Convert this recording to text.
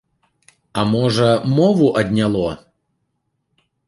А можа, мову адняло?